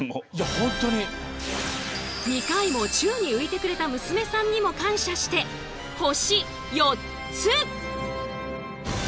２回も宙に浮いてくれた娘さんにも感謝して星４つ！